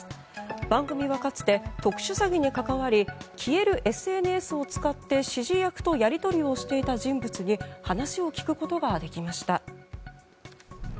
番組はかつて特殊詐欺に関わり消えるＳＮＳを使って指示役とやり取りをしていた人物に話を聞くことができました。